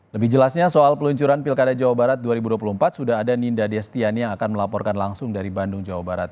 lebih jelasnya soal peluncuran pilkada jawa barat dua ribu dua puluh empat sudah ada ninda destiani yang akan melaporkan langsung dari bandung jawa barat